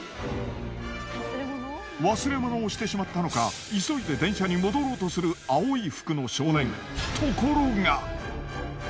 忘れ物をしてしまったのか急いで電車に戻ろうとする青い服の少年。